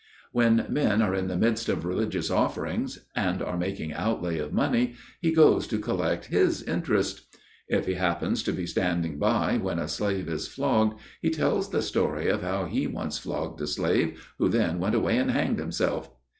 When men are in the midst of religious offerings and are making outlay of money, he goes to collect his interest. If he happens to be standing by when a slave is flogged, he tells the story of how he once flogged a slave, who then went away and hanged himself.